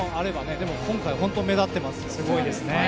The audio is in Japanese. でも、今回本当に目立っていますよね。